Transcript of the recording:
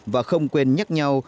và không quên nhắc nhau